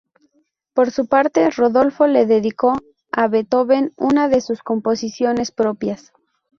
Por su parte Rodolfo le dedicó a Beethoven una de sus composiciones propias.